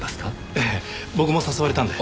ええ僕も誘われたんで。